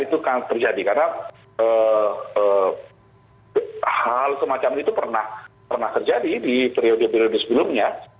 itu terjadi karena hal semacam itu pernah terjadi di periode periode sebelumnya